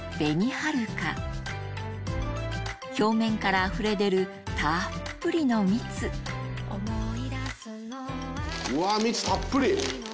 はるか表面からあふれ出るたっぷりの蜜うわ！